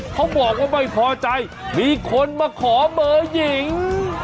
เขาบอกว่าไม่พอใจมีคนมาขอเบอร์หญิง